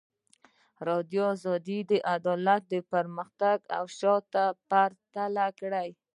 ازادي راډیو د عدالت پرمختګ او شاتګ پرتله کړی.